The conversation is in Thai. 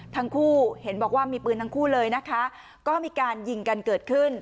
ทั้งคู่เห็นบอกว่ามีปืนทั้งคู่เลยนะคะก็มีการยิงกันเกิดขึ้น